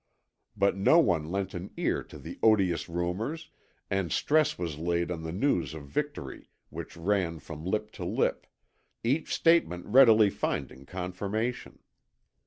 But no one lent an ear to the odious rumours, and stress was laid on the news of victory which ran from lip to lip, each statement readily finding confirmation.